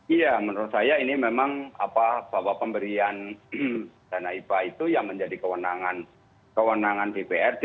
iya menurut saya ini memang bahwa pemberian dana hibah itu yang menjadi kewenangan dprd